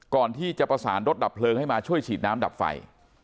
ก่อนที่จะประสานรถดับเพลิงให้มาช่วยฉีดน้ำดับไฟ